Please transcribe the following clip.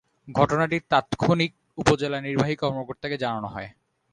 ঘটনাটি তাৎক্ষণিক উপজেলা নির্বাহী কর্মকর্তাকে জানানো হয়।